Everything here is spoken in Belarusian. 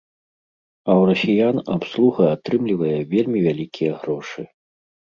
А ў расіян абслуга атрымлівае вельмі вялікія грошы.